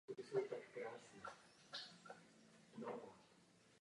Radost plodí žal.